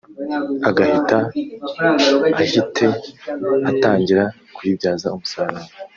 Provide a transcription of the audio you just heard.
agahita ahite atangira kuyibyaza umusaruro